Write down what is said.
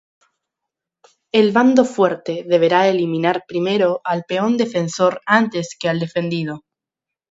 El bando fuerte deberá eliminar primero al peón defensor antes que al defendido.